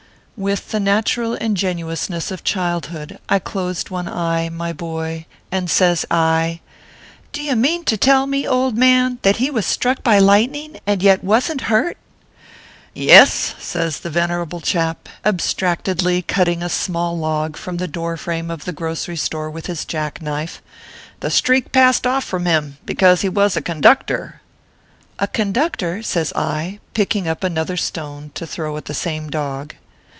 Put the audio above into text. With the natural ingenuousness of childhood I closed one eye, my boy, and says I :" Do you mean to tell me, old man, that he was struck by lightning, and yet wasn t hurt ?"" Yes," says the venerable chap, abstractedly cut ting a small log from the door frame of the grocery store with his jack knife ;" the streak passed off from him, because he was a conductor." ORPHEUS C. KERR PAPERS. 11 " A conductor ?" says I, picking up another stone to throw at the same dog.